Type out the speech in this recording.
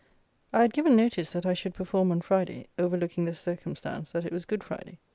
I had given notice that I should perform on Friday, overlooking the circumstance that it was Good Friday.